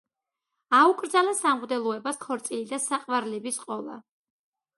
აუკრძალა სამღვდელოებას ქორწილი და საყვარლების ყოლა.